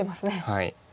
はい。